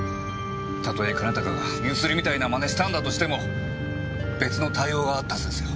たとえ兼高が強請りみたいなまねしたんだとしても別の対応があったはずですよ。